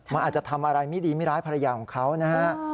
มันอาจจะทำอะไรไม่ดีไม่ร้ายภรรยาของเขานะฮะ